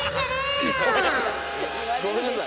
ごめんなさい。